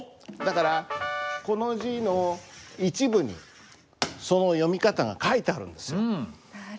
だからこの字の一部にその読み方が書いてあるんですよ。